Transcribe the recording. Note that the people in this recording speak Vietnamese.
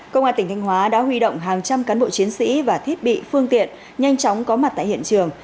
công an tp biên hòa đã huy động hàng trăm cán bộ chiến sĩ và thiết bị phương tiện nhanh chóng có mặt tại hiện trường